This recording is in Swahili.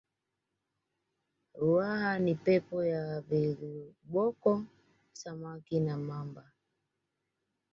ruaha ni pepo ya viboko samaki na mamba